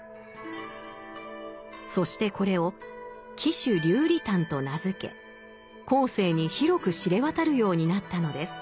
そしてこれを「貴種流離譚」と名付け後世に広く知れ渡るようになったのです。